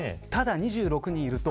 ただ、２６人いると